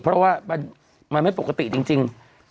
เพราะว่ามันไม่ปกติจริง